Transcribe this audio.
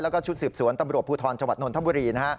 แล้วก็ชุดศพสวนตำรวจภูทรชวดนธมรี